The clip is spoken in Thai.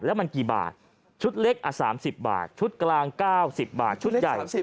แล้วมันกี่บาทชุดเล็กอ่ะสามสิบบาทชุดกลางเก้าสิบบาทชุดใหญ่สามสิบ